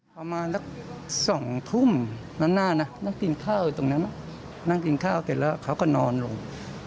ประมาณสัก๒ทุ่มด้านหน้านะนั่งกินข้าวอยู่ตรงนั้นนั่งกินข้าวเสร็จแล้วเขาก็นอนลง